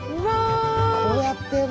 こうやってんだ！